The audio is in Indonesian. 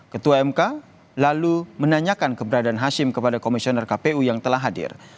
ketua mk lalu menanyakan keberadaan hashim kepada komisioner kpu yang telah hadir